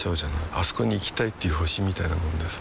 あそこに行きたいっていう星みたいなもんでさ